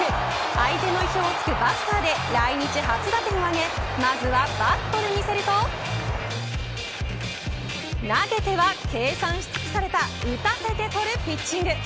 相手の意表を突くバスターで来日初打点を挙げ投げては計算し尽くされた打たせて取るピッチング。